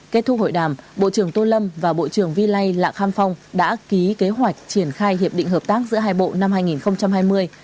kết thúc hội đàm bộ trưởng tô lâm và bộ trưởng vi lai lạ kham phong đã ký kế hoạch triển khai hiệp định hợp tác giữa hai bộ năm hai nghìn hai mươi